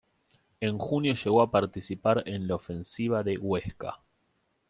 En junio llegó participar en la ofensiva de Huesca.